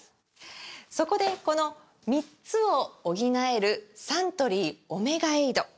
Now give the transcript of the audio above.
そこでこの３つを補えるサントリー「オメガエイド」！